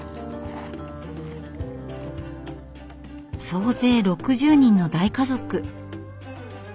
総勢６０人の大家族。